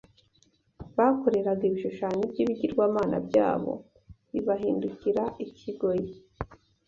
Bakoreraga ibishushanyo by’ibigirwamana byayo, bibahindukira ikigoyi